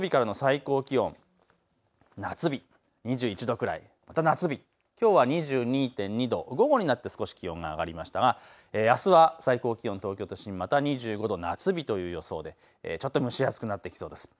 日曜日からの最高気温、夏日、２１度くらい、また夏日、きょうは２２．２度、午後になって少し気温が上がりましたがあすは最高気温、東京都心また２５度、夏日という予想でちょっと蒸し暑くなってきそうです。